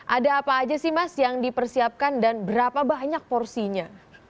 ada apa aja sih mas yang dipersiapkan dan berapa banyak porsinya